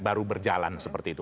baru berjalan seperti itu